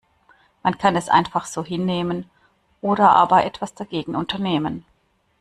Man kann es einfach so hinnehmen oder aber etwas dagegen unternehmen.